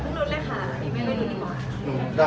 หรือไปที่คนใหม่เลยไหมคะ